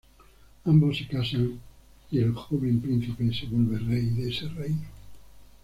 Ambos se casan y el joven príncipe se vuelve rey de ese reino.